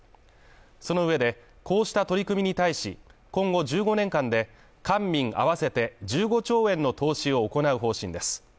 その上で、こうした取り組みに対し、今後１５年間で官民合わせて１５兆円の投資を行う方針です。